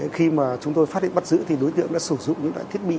khi mà chúng tôi phát hiện bắt giữ thì đối tượng đã sử dụng những loại thiết bị